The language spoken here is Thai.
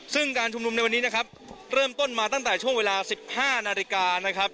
ซึ่งการชุมนุมในวันนี้นะครับเริ่มต้นมาตั้งแต่ช่วงเวลา๑๕นาฬิกานะครับ